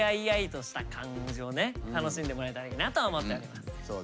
楽しんでもらえたらいいなと思っております。